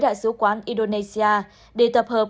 đại sứ quán indonesia để tập hợp